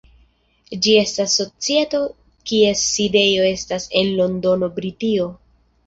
Ĝi estas societo kies sidejo estas en Londono, Britio.